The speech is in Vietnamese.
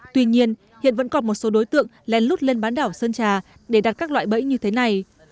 tuy nhiên hiện vẫn còn một số đối tượng lén lút lên bán đảo sơn trà để đặt các loại bẫy như thế này